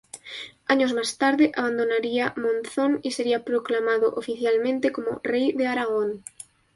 Años más tarde abandonaría Monzón y sería proclamado oficialmente como Rey de Aragón.